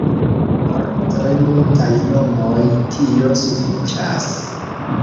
Por tre multaj nomoj tio sufiĉas.